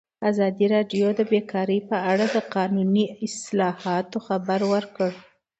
ازادي راډیو د بیکاري په اړه د قانوني اصلاحاتو خبر ورکړی.